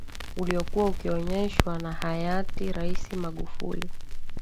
uliokuwa ukionyeshwa na hayati raisi Magufuli